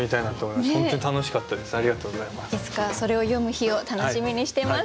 いつかそれを読む日を楽しみにしてます。